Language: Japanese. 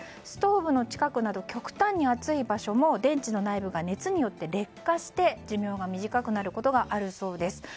ストーブの近くなど極端に熱い場所も電池の内部が熱によって劣化して寿命が短くなることがあるそうです。